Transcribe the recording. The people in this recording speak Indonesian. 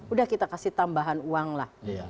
udah kita kasih tambahan uang lah